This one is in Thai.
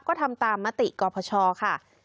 ก็ทำตามมติกรพชค่ะ